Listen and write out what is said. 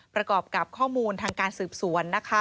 ประกอบกับข้อมูลทางการสืบสวน